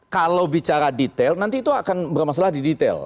kalau bicara detail nanti itu akan bermasalah di detail